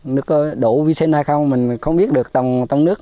nước đổ vi sinh hay không mình không biết được tổng nước